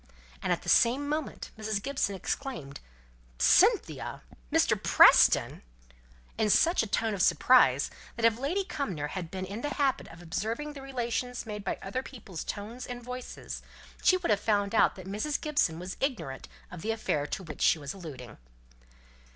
And at the same moment Mrs. Gibson exclaimed, "Cynthia Mr. Preston!" in such a tone of surprise, that if Lady Cumnor had been in the habit of observing the revelations made by other people's tones and voices, she would have found out that Mrs. Gibson was ignorant of the affair to which she was alluding.